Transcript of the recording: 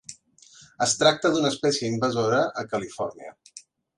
Es tracta d'una espècie invasora a Califòrnia.